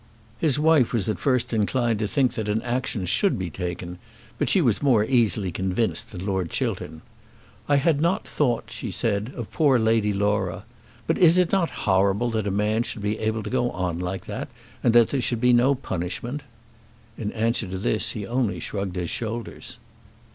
His wife was at first inclined to think that an action should be taken, but she was more easily convinced than Lord Chiltern. "I had not thought," she said, "of poor Lady Laura. But is it not horrible that a man should be able to go on like that, and that there should be no punishment?" In answer to this he only shrugged his shoulders.